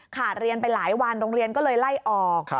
ขาดเรียนไปหลายวันโรงเรียนก็เลยไล่ออก